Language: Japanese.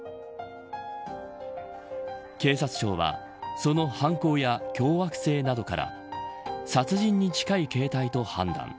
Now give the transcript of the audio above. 警察庁はその犯行や凶悪性などから殺人に近い形態と判断。